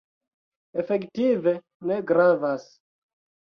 Efektive ne gravas.